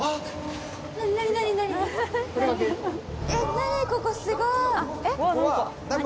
何ここすごい。